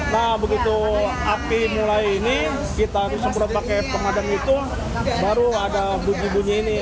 nah begitu api mulai ini kita disemprot pakai pemadam itu baru ada bunyi bunyi ini